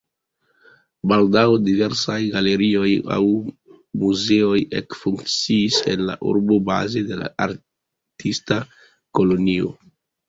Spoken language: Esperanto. Baldaŭ diversaj galerioj aŭ muzeoj ekfunkciis en la urbo baze de la artista kolonio.